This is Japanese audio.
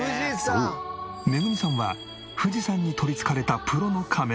そうめぐみさんは富士山に取り憑かれたプロのカメラマン。